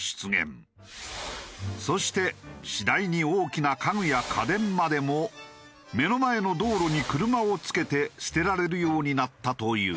そして次第に大きな家具や家電までも目の前の道路に車をつけて捨てられるようになったという。